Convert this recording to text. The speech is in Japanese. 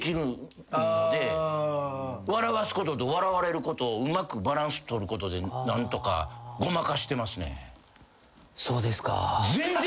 笑わすことと笑われることをうまくバランス取ることで何とかごまかしてますね。